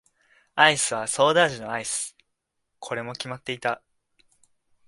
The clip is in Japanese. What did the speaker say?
アイスはソーダ味のアイス。これも決まっていた。